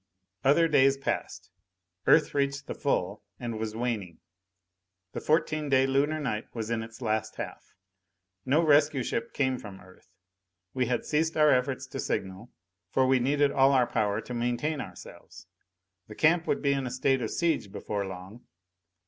Other days passed. Earth reached the full and was waning. The fourteen day Lunar night was in its last half. No rescue ship came from Earth. We had ceased our efforts to signal, for we needed all our power to maintain ourselves. The camp would be in a state of siege before long.